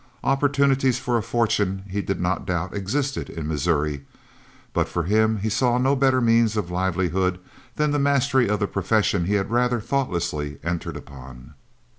Opportunities for a fortune he did not doubt existed in Missouri, but for himself he saw no better means for livelihood than the mastery of the profession he had rather thoughtlessly entered upon.